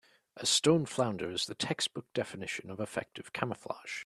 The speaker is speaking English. A stone flounder is the textbook definition of effective camouflage.